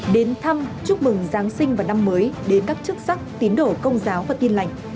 đến thăm chúc mừng giáng sinh và năm mới đến các chức sắc tín đổ công giáo và tin lành